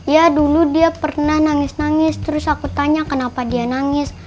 ya dulu dia pernah nangis nangis terus aku tanya kenapa dia nangis